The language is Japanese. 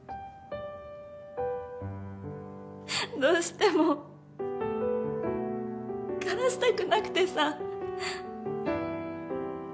どうしても枯らしたくなくてさ。